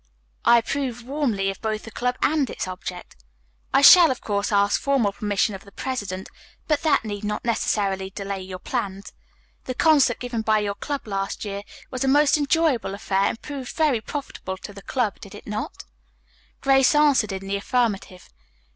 I approve warmly of both the club and its object. I shall, of course, ask formal permission of the president, but that need not necessarily delay your plans. The concert given by your club last year was a most enjoyable affair and proved very profitable to the club, did it not?" Grace answered in the affirmative.